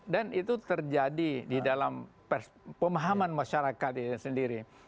dan itu terjadi di dalam pemahaman masyarakat sendiri